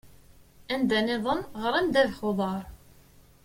Anda-nniḍen, ɣran ddabex n uḍar.